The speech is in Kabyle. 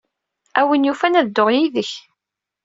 A win yufan, ad dduɣ yid-k.